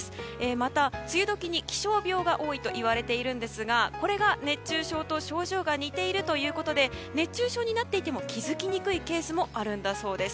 また、梅雨時に気象病が多いといわれますがこれが熱中症と症状が似ているということで熱中症になっていても気づきにくいケースもあるそうです。